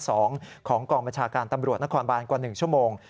ของกองประชากาศบรรยาณทำรวจน่ากรบานกว่า๑ชั่วโมง